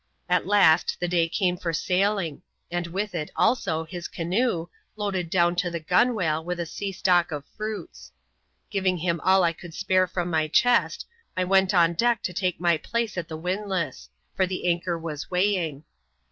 At last the day came for sailing, and with it, also, his canoe, loaded down to the gunwale with a sea stock of fruits* Giving him all I could spare from my chest, I went on deck to take my place at the windlass ; for the anchor was weighing.